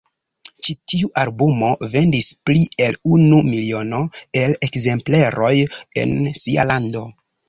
Ĉi tiu albumo vendis pli el unu miliono el ekzemplerojn en sia lando.